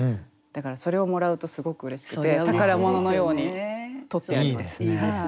だからそれをもらうとすごくうれしくて宝物のように取ってあります。